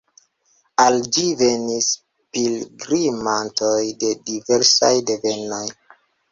Al ĝi venis pilgrimantoj de diversaj devenoj.